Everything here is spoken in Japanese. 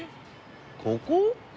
ここ？